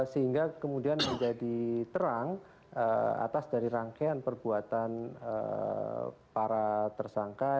sehingga kemudian menjadi terang atas dari rangkaian perbuatan para tersangka